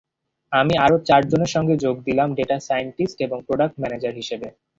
আমি আরও চারজনের সঙ্গে যোগ দিলাম ডেটা সায়েন্টিস্ট এবং প্রোডাক্ট ম্যানেজার হিসেবে।